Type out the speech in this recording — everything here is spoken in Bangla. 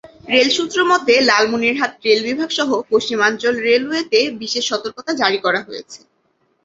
রেল সূত্রমতে, লালমনিরহাট রেল বিভাগসহ পশ্চিমাঞ্চল রেলওয়েতে বিশেষ সতর্কতা জারি করা হয়েছে।